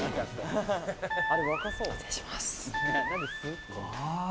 失礼します。